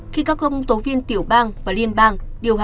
khi các công tố viên tiểu bang và liên bang